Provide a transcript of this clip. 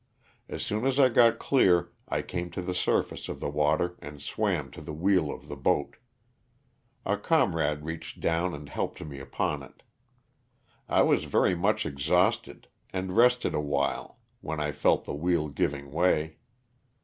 As soon as I got clear I came to the surface of the water and swam to the wheel of the boat. A comrade reached down and helped me upon it. I was very much exhausted, and rested awhile, when I felt the wheel giving way.